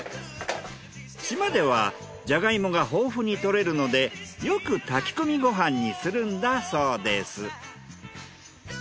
島ではジャガイモが豊富に採れるのでよく炊き込みご飯にするんだそうです。